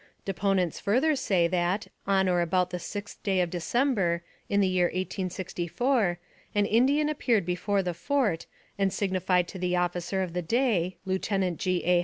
Deponents further say that, on or about the 6th day of December, in the year 1864, an Indian appeared before the fort, and signified to the officer of the day, Lieutenant G. A.